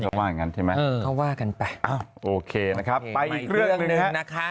เขาว่าอย่างนั้นใช่ไหมเออก็ว่ากันไปอ้าวโอเคนะครับไปอีกเรื่องหนึ่งนะคะ